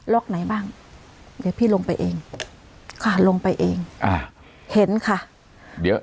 ล็อกไหนบ้างเดี๋ยวพี่ลงไปเองค่ะลงไปเองอ่าเห็นค่ะเดี๋ยว